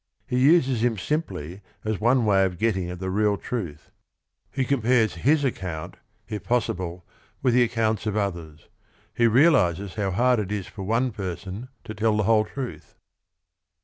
He uses him simply as one way of getting at the real truth. He com pares his account, if possible, with the accounts of others. He realizes how hard it is for one person to tell the whole truth.